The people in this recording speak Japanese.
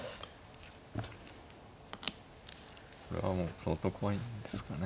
これはもう相当怖いんですかね。